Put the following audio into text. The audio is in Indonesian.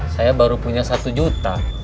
saya baru punya satu juta